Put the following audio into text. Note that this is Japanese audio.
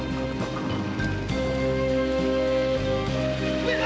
上様！